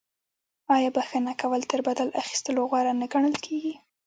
آیا بخښنه کول تر بدل اخیستلو غوره نه ګڼل کیږي؟